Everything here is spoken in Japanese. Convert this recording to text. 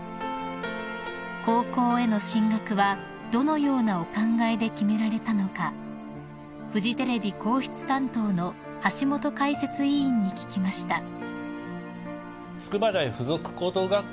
［高校への進学はどのようなお考えで決められたのかフジテレビ皇室担当の橋本解説委員に聞きました］